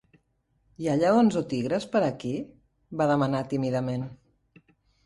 'Hi ha lleons o tigres per aquí?" va demanar tímidament.